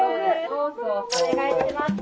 お願いします。